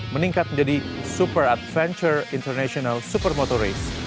meningkat menjadi super adventure international supermoto race